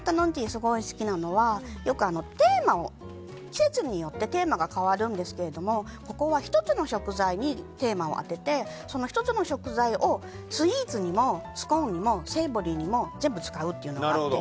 すごい好きなのは季節によってテーマが変わるんですけどここは、１つの食材にテーマを当ててその１つの食材を、スイーツにもスコーンにもセイボリーにも全部使うというのがあって。